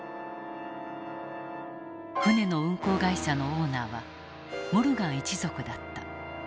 船の運航会社のオーナーはモルガン一族だった。